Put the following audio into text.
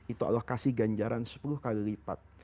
itu allah kasih ganjaran sepuluh kali lipat